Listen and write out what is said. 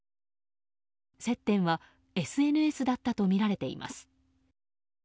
接点はＳＮＳだったとみられています。